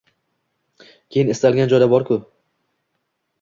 Keyin istalgan joyda borku u.